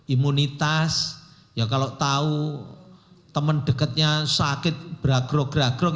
imunitas ya kalau tahu teman dekatnya sakit beragrok agrok